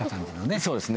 そうですね。